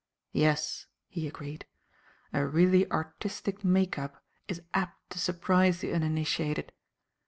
"Yes," he agreed, "a really artistic make up is apt to surprise the uninitiated.